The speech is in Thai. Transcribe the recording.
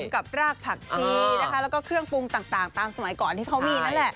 กับรากผักชีนะคะแล้วก็เครื่องปรุงต่างตามสมัยก่อนที่เขามีนั่นแหละ